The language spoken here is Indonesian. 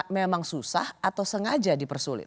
memang susah atau sengaja dipersulit